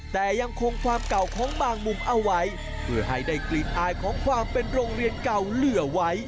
แต่ยังคงความเก่าของบางมุมเอาไว้เพื่อให้ได้กลิ่นอายของความเป็นโรงเรียนเก่าเหลือไว้